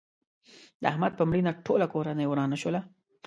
د احمد په مړینه ټوله کورنۍ ورانه شوله.